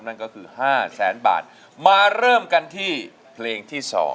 นั่นก็คือ๕แสนบาทมาเริ่มกันที่เพลงที่๒